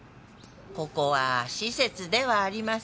ここは施設ではありません。